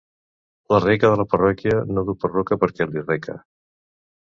La rica de la parròquia no duu perruca perquè li reca.